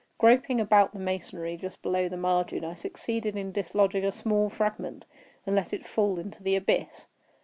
Groping about the masonry just below the margin, I succeeded in dislodging a small fragment, and let it fall into the abyss.